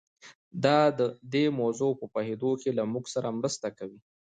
دا د دې موضوع په پوهېدو کې له موږ سره مرسته کوي.